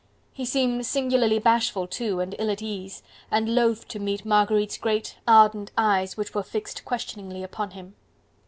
He seemed singularly bashful too and ill at ease, and loath to meet Marguerite's great, ardent eyes, which were fixed questioningly upon him.